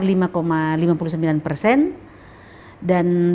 dan dari sisi ekonomi